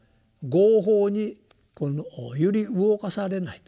「業報」に揺り動かされないと。